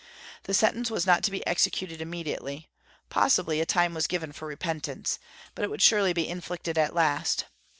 The sentence was not to be executed immediately, possibly a time was given for repentance; but it would surely be inflicted at last.